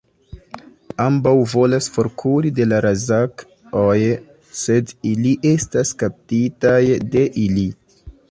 Ambaŭ volas forkuri de la Ra'zac-oj, sed ili estas kaptitaj de ili.